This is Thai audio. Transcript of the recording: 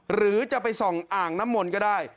หรือจะไปส่องอ่างน้ำมนต์ก็ได้